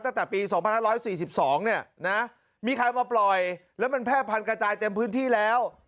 ตั้งแต่ปี๒๕๔๒เนี่ยนะมีใครมาปล่อยแล้วมันแพร่พันกระจายเต็มพื้นที่แล้ว